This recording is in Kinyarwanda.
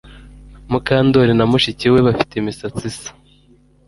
Mukandoli na mushiki we bafite imisatsi isa